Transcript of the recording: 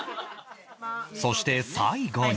そして最後に